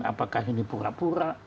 apakah ini pura pura